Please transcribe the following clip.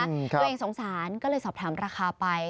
ตัวเองสงสารก็เลยสอบถามราคาไป